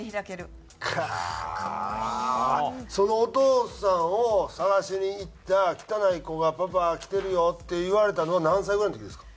そのお父さんを捜しに行った「汚い子がパパ来てるよ」って言われたのは何歳ぐらいの時ですか？